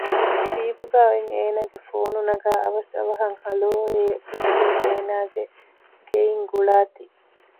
ޖީބުގައި އޮތް އޭނާގެ ފޯނު ނަގައި އަވަސް އަވަހަށް ހަލޯއޭ ބުނެލީ އޭނާގެ ގެއިން ގުޅާތީ